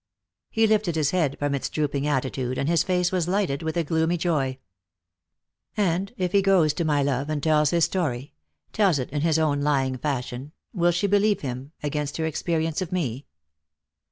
" He lifted his head from its drooping attitude, and his face was lighted with a gloomy joy. " And if he goes to my love, and tells his story — tells it in his own lying fashion — will she believe him, against her experience of me